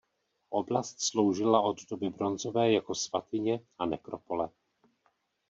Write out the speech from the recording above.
Oblast sloužila od doby bronzové jako svatyně a nekropole.